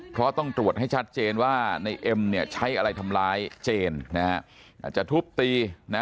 เพราะต้องตรวจให้ชัดเจนว่าในเอ็มเนี่ยใช้อะไรทำร้ายเจนนะฮะอาจจะทุบตีนะ